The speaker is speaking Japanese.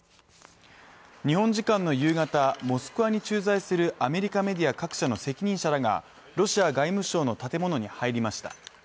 日本時間の夕方、モスクワに駐在するアメリカメディア各社の責任者らがロシア外務省の建物に入りました。